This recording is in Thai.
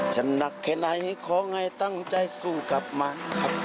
หนักแค่ไหนขอให้ตั้งใจสู้กับมันครับ